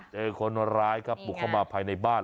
เจอคนร้ายครับบุกเข้ามาภายในบ้าน